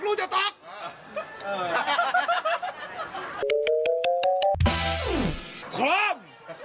แล้วไม่ตอบ